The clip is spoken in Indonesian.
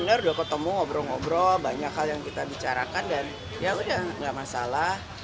benar sudah ketemu ngobrol ngobrol banyak hal yang kita bicarakan dan yaudah gak masalah